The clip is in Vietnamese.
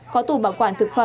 có tù bảo quản của các nhà đò